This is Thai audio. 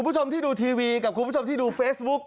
คุณผู้ชมที่ดูทีวีกับคุณผู้ชมที่ดูเฟซบุ๊ก